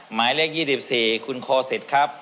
หมายเลข๒๔คุณโคสิตครับ